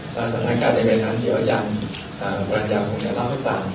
เป็นสถานการณ์ในเวลานั้นดีวว่าฉันเข้าข้างผมจะเล่าให้พอ